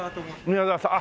宮澤さん？